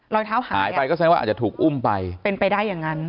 รอยเท้าหายหายไปก็แสดงว่าอาจจะถูกอุ้มไปเป็นไปได้อย่างนั้น